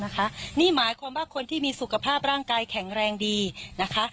นี่หมายความว่าคนที่มีสุขภาพร่างกายแข็งแรงดีนะคะ